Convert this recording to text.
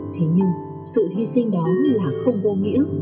thế nhưng sự hy sinh đó là không vô nghĩa